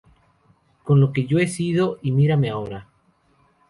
Con lo que yo he sido, y mírame ahora